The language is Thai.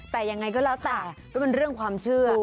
แต่ยังไงก็แล้วแต่ก็เป็นเรื่องความเชื่อ